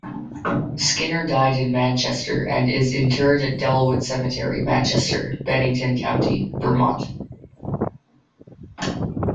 Skinner died in Manchester and is interred at Dellwood Cemetery, Manchester, Bennington County, Vermont.